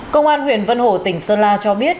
công an huyện vân hồ tỉnh sơn la cho biết